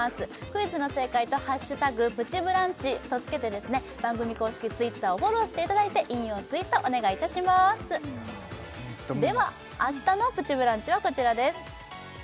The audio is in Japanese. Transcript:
クイズの正解と「＃プチブランチ」とつけて番組公式Ｔｗｉｔｔｅｒをフォローしていただいて引用ツイートお願いいたしますでは明日の「プチブランチ」はこちらです